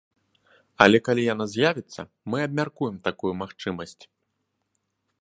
Але калі яна з'явіцца, мы абмяркуем такую магчымасць.